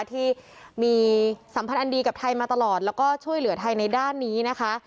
ที่มีสัมพันธ์อันดีกับไทยมาตลอดแล้วก็ช่วยเหลือไทยในด้านนี้นะคะ